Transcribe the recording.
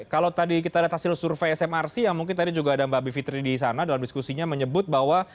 kalau tadi kita lihat hasil survei smrc yang mungkin tadi juga ada mbak bivitri di sana dalam diskusinya menyebut bahwa